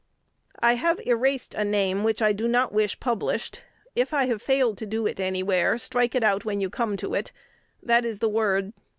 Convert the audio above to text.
I have erased a name which I do not wish published. If I have failed to do it anywhere, strike it out when you come to it. That is the word